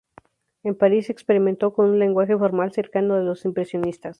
En París, experimentó con un lenguaje formal cercano al de los impresionistas.